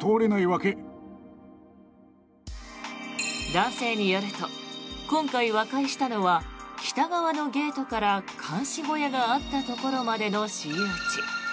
男性によると今回和解したのは北側のゲートから監視小屋があったところまでの私有地。